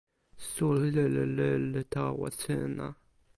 suli li lili tawa sina.